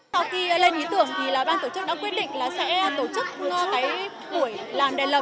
sau khi lên ý tưởng ban tổ chức đã quyết định sẽ tổ chức buổi làm đèn lồng